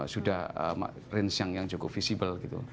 sudah range yang cukup visible gitu